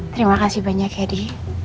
terima kasih banyak ya di